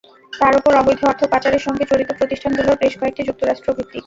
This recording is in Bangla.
তার ওপর অবৈধ অর্থ পাচারের সঙ্গে জড়িত প্রতিষ্ঠানগুলোর বেশ কয়েকটি যুক্তরাষ্ট্রভিত্তিক।